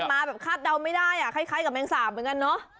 มาแบบคาดเดาไม่ได้คล้ายกับแมงสาบเหมือนกันเนอะ